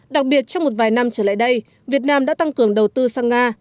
đặc biệt trong một vài năm trở lại đây việt nam đã tăng cường đầu tư sang nga